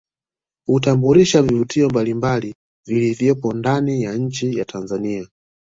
Hutambulisha vivutio mbalimbali vilivyopo ndani ya nchi ya Tanzania